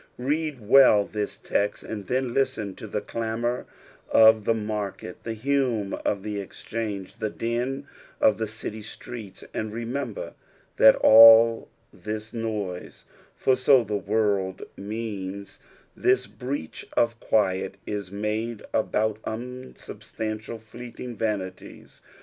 Read well this text, and then listen to the clamour of the maiket, the hum of the exchange, the din of the city streets, and remember that all this noise (tor so the word means), this breach of quiet, is made about unsubstantial, fleeting vanities.